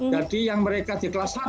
jadi yang mereka di kelas satu